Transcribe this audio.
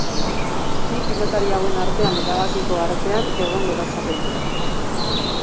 Bi pilotari hauen artean erabakiko artean egongo da txapelduna.